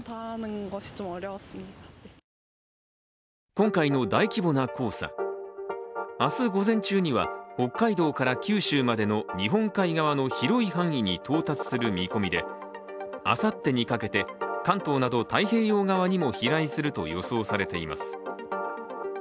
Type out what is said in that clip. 今回の大規模な黄砂、明日午前中には北海道から九州までの日本海側の広い範囲に到達する見込みであさってにかけて関東など太平洋側にも飛来すると予想されています。